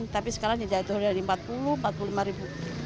tapi sekarang jadinya rp empat puluh rp empat puluh lima